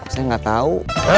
saya gak tau